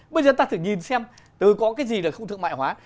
bây giờ ta phải nhìn xem từ có cái gì là không thương mại hóa